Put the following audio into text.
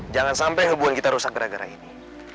jangan sampai hubungan kita rusak gara gara ini